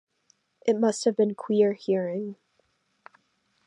It must have been queer hearing.